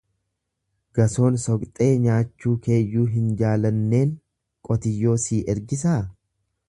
Gasoon soqxee nyaachuu keeyyuu hin jaalanneen qotiyyoo sii ergisaa?